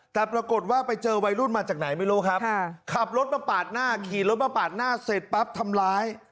แต่ปรากฏว่าไปเจอวัยรุ่นมาจากไหนไม่รู้ครับขับรถมาปาดหน้าขี่รถมาปาดหน้าเสร็จปั๊บทำร้าย